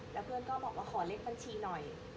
แล้วเพื่อนก็บอกว่าขอเลขบัญชีหน่อย